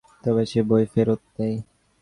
তবে সে বই ফেরত দেয়।